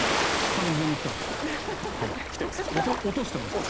完全に来ています。